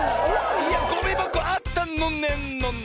いやゴミばこあったのねんのねん！